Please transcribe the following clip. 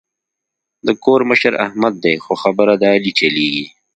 د کور مشر احمد دی خو خبره د علي چلېږي.